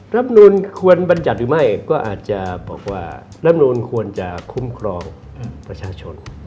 รับนูลควรบรรยัติหรือไม่ก็อาจจะบอกว่ารับนูลควรจะคุ้มครองประชาชน